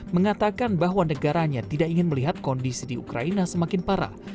mengatakan bahwa negaranya tidak ingin melihat kondisi di ukraina semakin parah